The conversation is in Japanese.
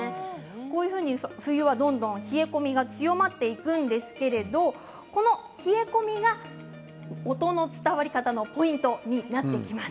こういうふうに冬はどんどん冷え込みが強まっていくんですけれどこの冷え込みが音の伝わり方のポイントになってきます。